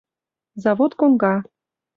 завод коҥга